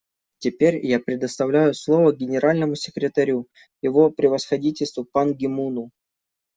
Теперь я предоставляю слово Генеральному секретарю Его Превосходительству Пан Ги Муну.